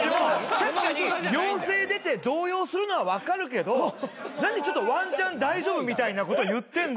確かに陽性出て動揺するのは分かるけど何でワンチャン大丈夫みたいなこと言ってんだって。